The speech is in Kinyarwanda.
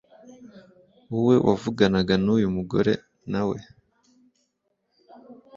wowe wavuganaga n uyu mugore Na we